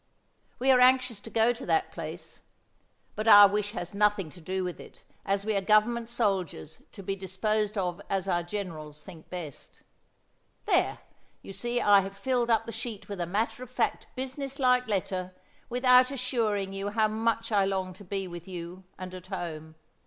We are anxious to go to that place, but our wish has nothing to do with it, as we are Government soldiers to be disposed of as our generals think best. There you see I have filled up the sheet with a matter of fact business like letter, without assuring you how much I long to be with you and at home.